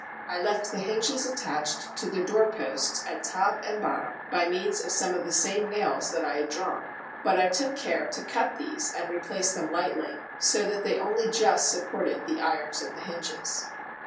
I left the hinges attached to their door posts at top and bottom by means of some of the same nails that I had drawn; but I took care to cut these and replace them lightly, so that they only just supported the irons of the hinges.